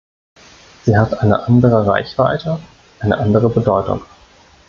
Sie hat eine andere Reichweite, eine andere Bedeutung.